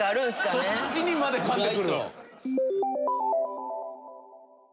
そっちにまでかんでくる。